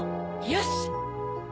よし！